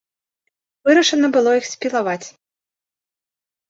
Вырашана было іх спілаваць.